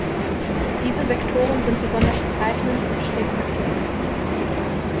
Diese Sektoren sind besonders bezeichnend und stets aktuell.